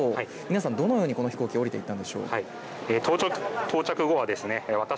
あと皆さん、どのようにこの飛行機、降りていったんでしょうか。